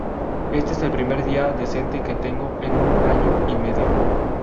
Este es el primer día decente que tengo en un año y medio.